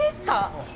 はい。